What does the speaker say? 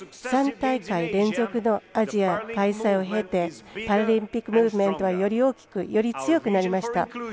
３大会連続のアジア開催を経てパラリンピックムーブメントはより大きく、より強くなりました。